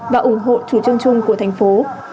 và ủng hộ chủ trương chung của thành phố